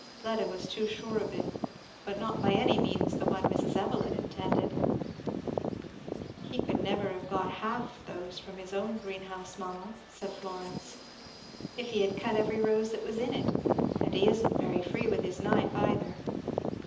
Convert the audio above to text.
Fleda was too sure of it. But not by any means the one Mrs. Evelyn intended. "He never could have got half those from his own greenhouse, mamma," said Florence, "if he had cut every rose that was in it; and he isn't very free with his knife either."